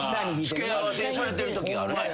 付け合わせにされてるときあるね。